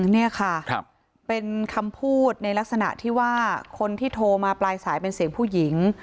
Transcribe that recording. นี่ค่ะเป็นคำพูดในลักษณะที่ว่าคนที่โทรมาปลายสายเป็นเสียงผู้หญิง